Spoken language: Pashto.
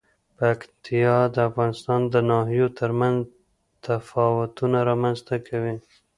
پکتیا د افغانستان د ناحیو ترمنځ تفاوتونه رامنځ ته کوي.